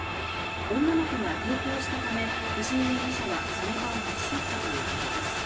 女の子が抵抗したため藤井容疑者はその場を立ち去ったということです。